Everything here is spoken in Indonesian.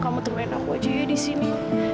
kamu temen aku aja ya di sini